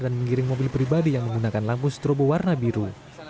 dan mengiring mobil pribadi yang menggunakan lampu strobo warna biru